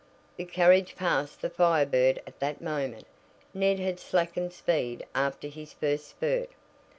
The carriage passed the Fire Bird at that moment. Ned had slackened speed after his first spurt.